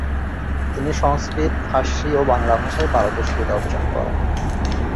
তিনি সংস্কৃত, ফারসি ও বাংলা ভাষায় পারদর্শিতা অর্জন করেন।